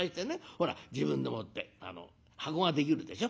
ほら自分でもって箱ができるでしょ。